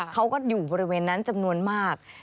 เขาก็อยู่บริเวณนั้นจำนวนมาก